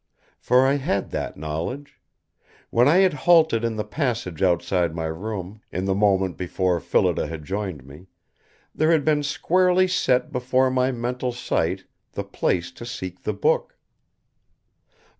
For I had that knowledge. When I had halted in the passage outside my room, in the moment before Phillida had joined me, there had been squarely set before my mental sight the place to seek the book.